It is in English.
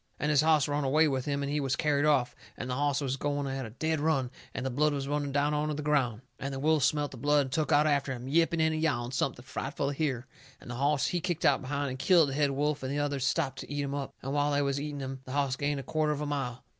And his hoss run away with him and he was carried off, and the hoss was going at a dead run, and the blood was running down onto the ground. And the wolves smelt the blood and took out after him, yipping and yowling something frightful to hear, and the hoss he kicked out behind and killed the head wolf and the others stopped to eat him up, and while they was eating him the hoss gained a quarter of a mile.